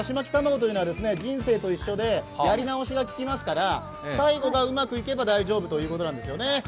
人生と一緒でやり直しがききますから最後がうまくいけば大丈夫ということなんですよね。